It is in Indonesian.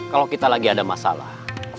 kalau kita lagi ada masalah